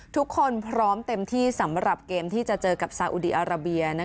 ทุกคนพร้อมเต็มที่สำหรับเกมที่จะเจอกับซาอุดีอาราเบีย